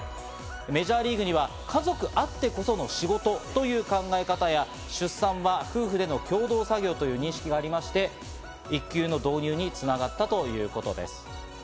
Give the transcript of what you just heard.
メジャーリーグには家族あってこその仕事という考え方や、出産は夫婦での共同作業という認識がありまして、育休の導入に繋がったということです。